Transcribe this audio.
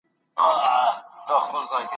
حقيقت د شور لاندې ورک کېږي او غلي کېږي.